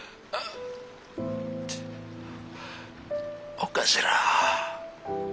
お頭。